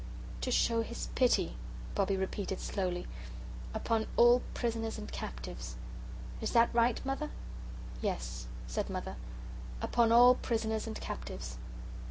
"To show His pity," Bobbie repeated slowly, "upon all prisoners and captives. Is that right, Mother?" "Yes," said Mother, "upon all prisoners and captives.